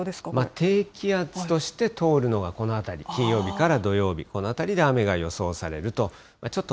低気圧として通るのはこのあたり、金曜日から土曜日、このあたりで雨が予想されると。